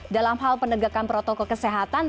dalam hal penegakan protokol kesehatan